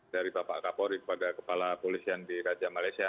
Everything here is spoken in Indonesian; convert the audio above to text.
dari bapak kapolri kepada kepala polisian di raja malaysia